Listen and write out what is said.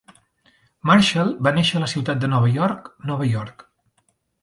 Marshall va néixer a la ciutat de Nova York, Nova York.